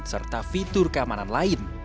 serta fitur keamanan lain